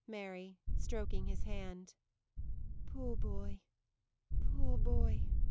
MARY. [Stroking his hand.] Poor boy, poor boy! JOE.